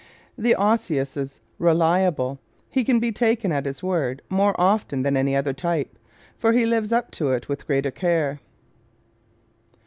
The Osseous is reliable. He can be taken at his word more often than any other type, for he lives up to it with greater care.